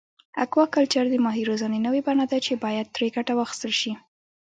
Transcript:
اکواکلچر د ماهي روزنې نوی بڼه ده چې باید ګټه ترې واخیستل شي.